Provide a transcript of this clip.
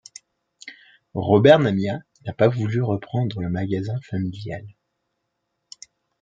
Robert Namias n'a pas voulu reprendre le magasin familial.